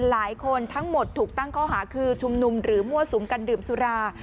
หลายคนทั้งหมดถูกตั้งข้อหาคือชุมนุมหรือมั่วสุมกันดื่มสุรา